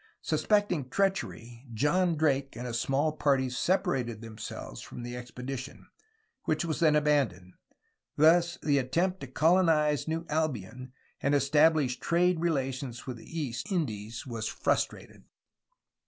Suspecting treachery John Drake and a small party separated themselves from the ex pedition, which was then abandoned. Thus the attempt to col onise New Albion and establish trade relations with the East Indies was frustrated.